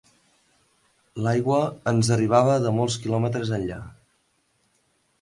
L'aigua, ens arribava de molts quilòmetres enllà